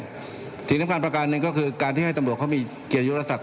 สิ่งที่มันการประการหนึ่งก็คือการที่ให้ตำรวจเขามีเกียรติศักดิ์ศรี